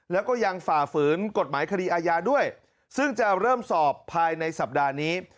แล้วก็ยังฝ่าฝืนกฎหมายคดีอาญาด้วยซึ่งจะเริ่มสอบภายในสัปดาห์นี้